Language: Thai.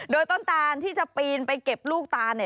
โดยต้นตานที่จะปีนไปเก็บลูกตาน